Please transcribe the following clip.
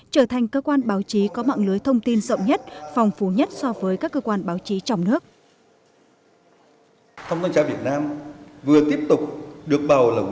trở thành cơ quan báo chí có mạng lưới thông tin rộng nhất phong phú nhất so với các cơ quan báo chí trong nước